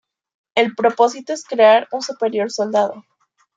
El propósito es crear un superior soldado.